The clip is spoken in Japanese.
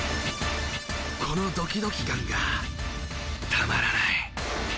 このドキドキ感がたまらない！